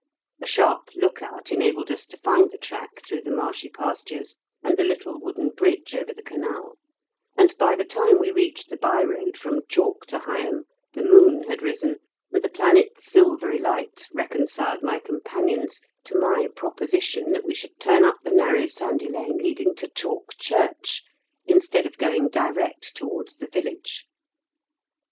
A sharp look out enabled us to find the track through the marshy pastures and the little wooden bridge over the canal, and by the time we reached the by road from Chalk to Higham, the moon had risen, and the planet's silvery light recon ciled my companions to my proposition that we should turn up the narrow sandy lane leading to Chalk Church, instead of going direct towards the village.